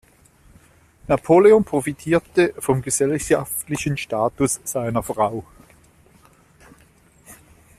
Napoleon profitierte vom gesellschaftlichen Status seiner Frau.